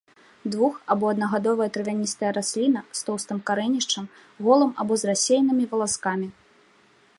Двух- або аднагадовая травяністая расліна з тоўстым карэнішчам, голым або з рассеянымі валаскамі.